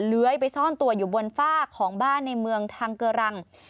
เลื้อยไปซ่อนตัวอยู่บนฝ้าของบ้านในเมืองทางเกอรัง